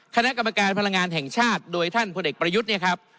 คณะกรรมการพลังงานแห่งชาติโดยท่านพลเอกประยุทธ์เนี่ยครับ